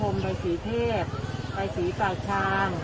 ไม่ว่า